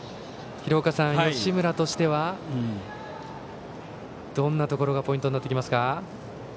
吉村としてはどんなところがポイントになってきますか？